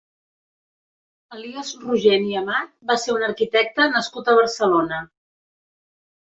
Elies Rogent i Amat va ser un arquitecte nascut a Barcelona.